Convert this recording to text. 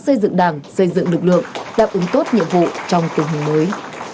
xây dựng đảng xây dựng lực lượng đáp ứng tốt nhiệm vụ trong tình hình mới